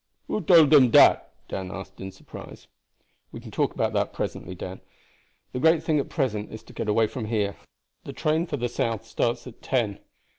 "Who told dem dat?" Dan asked in surprise. "We can talk about that presently, Dan; the great thing at present is to get away from here. The train for the south starts at ten.